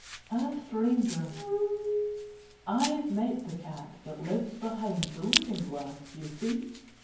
A STRANGER I 've met the cat that lives behind The looking glass, you see.